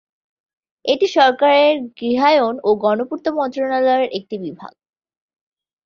এটি সরকারের গৃহায়ন ও গণপূর্ত মন্ত্রণালয়ের একটি বিভাগ।